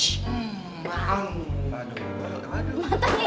kebetulan banget nih gue belum sarapan tadi